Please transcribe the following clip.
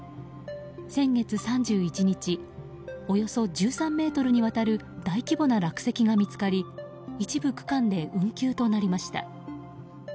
先月３１日およそ１３ｍにわたる大規模な落石が見つかり一部区間で運休となりました。